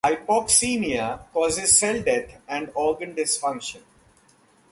Hypoxemia causes cell death and organ dysfunction.